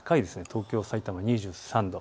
東京、さいたま２３度